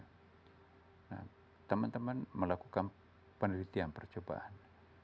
nah teman teman melakukan penelitian percobaan